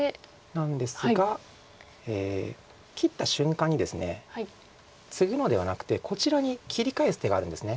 なんですが切った瞬間にですねツグのではなくてこちらに切り返す手があるんです。